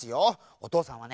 おとうさんはね